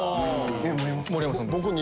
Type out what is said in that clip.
盛山さんは？